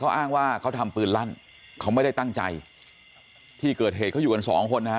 อ้างว่าเขาทำปืนลั่นเขาไม่ได้ตั้งใจที่เกิดเหตุเขาอยู่กันสองคนนะฮะ